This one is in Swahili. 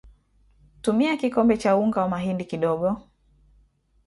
tumia kikombe cha unga wa mahindi kidogo